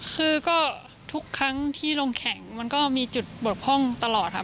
คือก็ทุกครั้งที่ลงแข่งมันก็มีจุดบกพร่องตลอดค่ะ